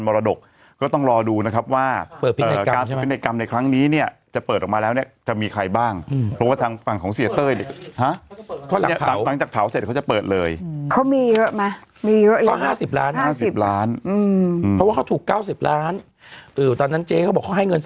เพราะเขาถูก๙๐ล้านตอนนั้นเจ๊เขาบอกเขาให้เงินสดมา๓๐แล้วเขามีสมปัติของเขาอยู่อย่างเนี้ย